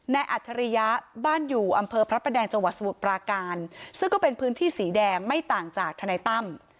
อัจฉริยะบ้านอยู่อำเภอพระประแดงจังหวัดสมุทรปราการซึ่งก็เป็นพื้นที่สีแดงไม่ต่างจากทนายตั้ม